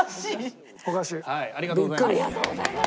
ありがとうございます。